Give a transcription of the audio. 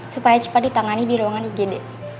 supaya cepat ditangani di ruangan igd